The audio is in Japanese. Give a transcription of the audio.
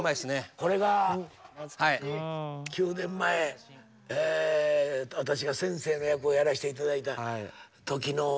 これが９年前私が先生の役をやらせて頂いた時のジャケット。